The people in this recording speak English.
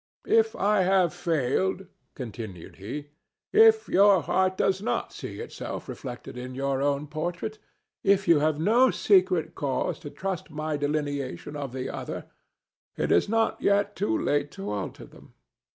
"If I have failed," continued he—"if your heart does not see itself reflected in your own portrait, if you have no secret cause to trust my delineation of the other—it is not yet too late to alter them.